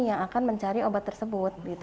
yang akan mencari obat tersebut